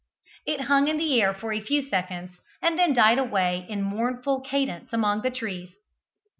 It hung in the air for a few seconds, and then died away in mournful cadence among the trees.